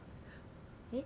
えっ？